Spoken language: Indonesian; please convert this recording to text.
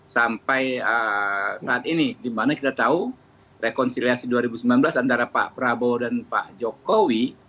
sampai saat ini dimana kita tahu rekonsiliasi dua ribu sembilan belas antara pak prabowo dan pak jokowi